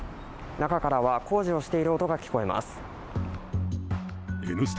中からは工事をしている音が聞こえます。